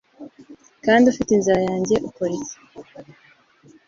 Kandi ufite inzara yanjye, ukora iki